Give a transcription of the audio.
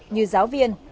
như giáo viên